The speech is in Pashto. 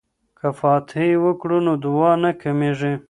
که فاتحه وکړو نو دعا نه کمیږي.